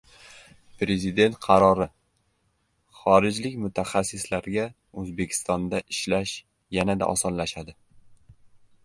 Prezident qarori: xorijlik mutaxassislarga O‘zbekistonda ishlash yanada osonlashadi